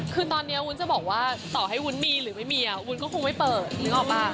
คือตอนนี้วุ้นจะบอกว่าต่อให้วุ้นมีหรือไม่มีวุ้นก็คงไม่เปิดนึกออกป่ะ